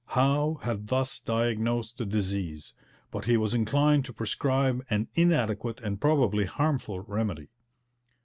Howe had thus diagnosed the disease, but he was inclined to prescribe an inadequate and probably harmful remedy.